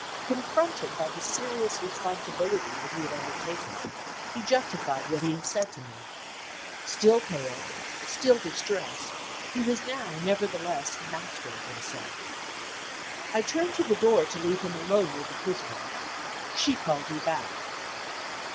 Confronted by the serious responsibility that he had undertaken, he justified what he had said to me. Still pale, still distressed, he was now nevertheless master of himself. I turned to the door to leave him alone with the Prisoner. She called me back.